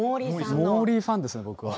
モーリーファンですね、僕。